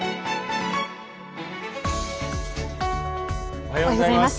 おはようございます。